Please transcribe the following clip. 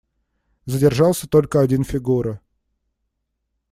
Задержался только один Фигура.